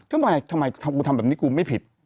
ทำไมทำแบบนี้กูไม่ผิด